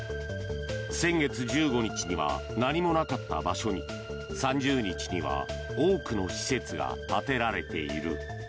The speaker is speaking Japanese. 先月１５日には何もなかった場所に３０日には多くの施設が建てられている。